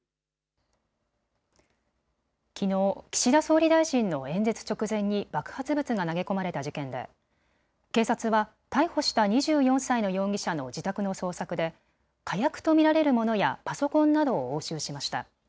きのう岸田総理大臣の演説直前に爆発物が投げ込まれた事件で警察は逮捕した２４歳の容疑者の自宅の捜索で火薬と見られるものやパソコンなどを押収しました。